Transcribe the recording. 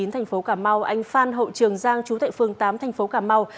thành phố cà mau anh phan hậu trường giang chú tại phường tám thành phố cà mau